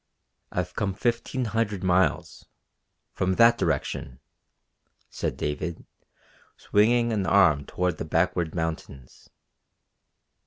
"I've come fifteen hundred miles from that direction," said David, swinging an arm toward the backward mountains.